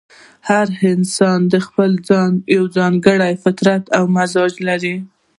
هر انسان ځپل ځان ته یو ځانګړی فطرت او مزاج لري.